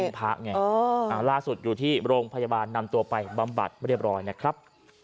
เป็นพระไงล่าสุดอยู่ที่โรงพยาบาลนำตัวไปบำบัดเรียบร้อยนะครับ